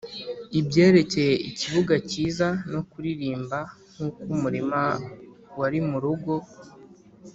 ibyerekeye ikibuga cyiza no kuririmba nkuko umurima wari murugo,